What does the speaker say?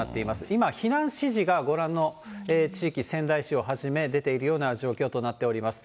今、避難指示がご覧の地域、仙台市をはじめ、出ているような状況となっております。